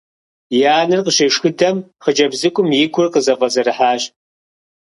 И анэр къыщешхыдэм, хъыджэбз цӀыкӀум и гур къызэфӀэзэрыхьащ.